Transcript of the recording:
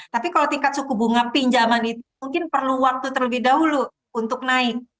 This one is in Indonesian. tapi kalau tingkat suku bunga pinjaman itu mungkin perlu waktu terlebih dahulu untuk naik